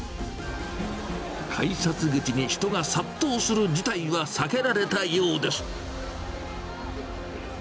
改札口に人が殺到する事態は避けられたようです。